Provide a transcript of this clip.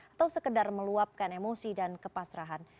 atau sekedar meluapkan emosi dan kepasrahan